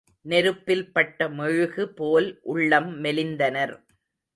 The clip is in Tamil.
நெருப்பில் பட்ட மெழுகு போல் உள்ளம் மெலிந்தனர்.